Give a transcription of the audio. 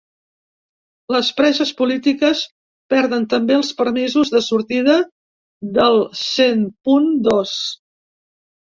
Les preses polítiques perden també els permisos de sortida del cent punt dos.